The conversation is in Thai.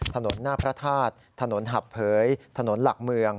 ถนนหน้าพระธาตุถนนหับเผยถนนหลักเมือง